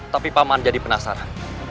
tapi pak man jadi penasaran